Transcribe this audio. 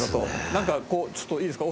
なんかちょっといいですか？